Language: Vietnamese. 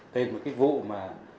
đây là một cái vụ mà